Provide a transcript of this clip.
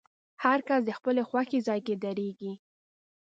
هر کس د خپلې خوښې ځای کې درېږي.